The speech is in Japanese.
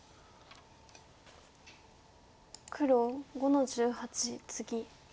黒５の十八ツギ。